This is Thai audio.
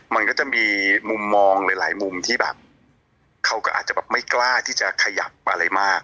มันก็จะมีมุมมองหลายมุมที่แบบเขาก็อาจจะแบบไม่กล้าที่จะขยับอะไรมาก